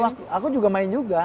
aku juga main juga